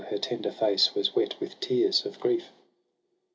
Her tender face was wet with tears of grief.